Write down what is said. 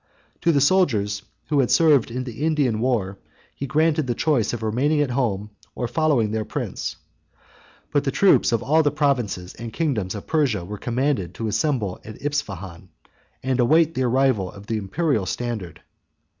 27 To the soldiers who had served in the Indian war he granted the choice of remaining at home, or following their prince; but the troops of all the provinces and kingdoms of Persia were commanded to assemble at Ispahan, and wait the arrival of the Imperial standard.